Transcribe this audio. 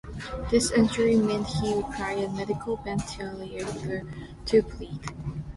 The injuries meant he required a medical ventilator to breathe.